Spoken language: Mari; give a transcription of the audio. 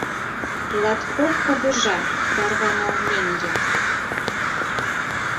Латкок кугыжа тарваналмеҥге